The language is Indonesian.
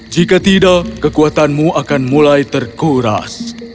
jika tidak kekuatanmu akan mulai terkuras